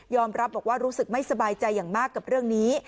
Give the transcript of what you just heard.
รับบอกว่ารู้สึกไม่สบายใจอย่างมากกับเรื่องนี้